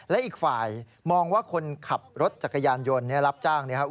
และอีกฝ่ายมองว่าคนขับรถจักรยานยนต์รับจ้างนะครับ